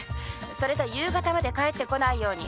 それと夕方まで帰って来ないように。